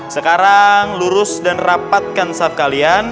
sekarang lurus dan rapatkan staff kalian